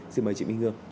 xin mời chị minh hương